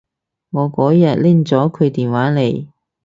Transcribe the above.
我嗰日拎咗佢電話睇